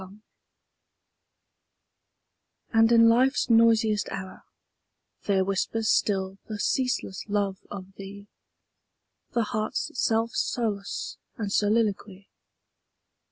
25 And in Life's noisiest hour There whispers still the ceaseless love of thee, The heart's self solace } and soliloquy.